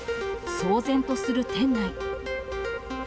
騒然とする店内。